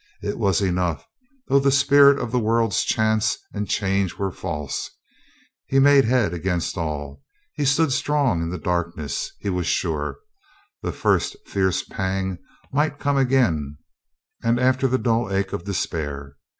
It was enough, though the spirit of the world's chance and change were false. He made head COLONEL STOW RESOLVES TO LAUGH 269 against all. He stood strong in the darkness. He w.as sure. ... The first fierce pang might come again and after the dull ache of despair.